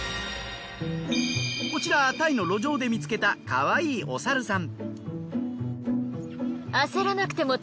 こちらはタイの路上で見つけたかわいいお猿さん。